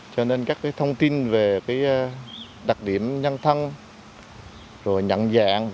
cho nên các thông tin về đặc điểm nhân thân nhận dạng